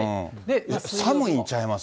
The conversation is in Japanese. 寒いんちゃいます？